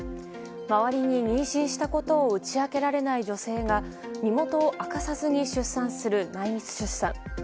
周りに妊娠したことを打ち明けられない女性が身元を明かさずに出産する内密出産。